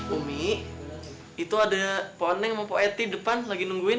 umi itu ada poneng sama poeti depan lagi nungguin